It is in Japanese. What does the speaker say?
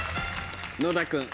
野田君。